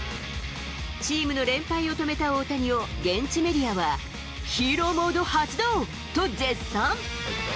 チームの連敗を止めた大谷を現地メディアはヒーローモード発動！と絶賛。